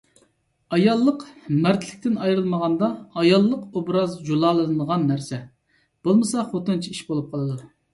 ئاياللىق مەردلىكتىن ئايرىلمىغاندا ئاياللىق ئوبراز جۇلالىنىدىغان نەرسە. بولمىسا خوتۇنچە ئىش بولۇپ قالىدۇ.